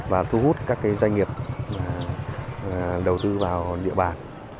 và thu hút các doanh nghiệp đầu tư vào địa bàn